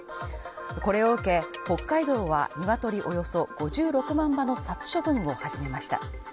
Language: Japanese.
これを受け、北海道はニワトリおよそ５６万羽の殺処分を始めました。